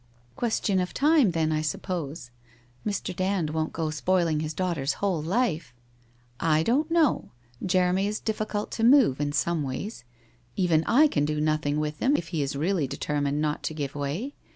* Question of time then, I suppose. Mr. Dand won't go spoiling his daughter's whole life ' I I don't know. Jeremy la difficult to move, in some ways. Even I can do nothing with him, if he is really determined not to give way.